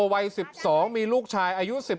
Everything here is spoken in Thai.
วัย๑๒มีลูกชายอายุ๑๕